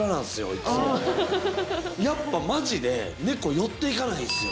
いつもあハハハやっぱマジで猫寄って行かないですよ